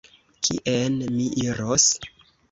Kien mi iros?